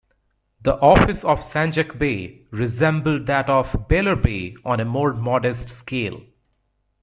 The office of "sanjak-bey" resembled that of the "beylerbey" on a more modest scale.